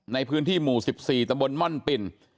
ในพื้นที่หมู่๑๔ตะบนม่อนปิ่น